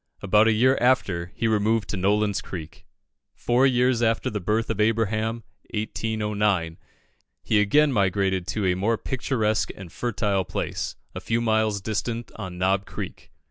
About a year after, he removed to Nolin's Creek. Four years after the birth of Abraham (1809), he again migrated to a more picturesque and fertile place, a few miles distant on Knob Creek.